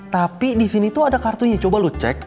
tapi di sini tuh ada kartunya coba lo cek